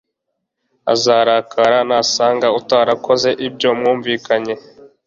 azarakara nasanga utarakoze ibyo mwumvikanye